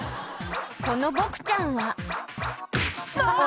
このボクちゃんはあぁ！